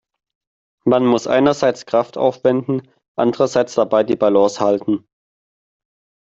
Man muss einerseits Kraft aufwenden, andererseits dabei die Balance halten.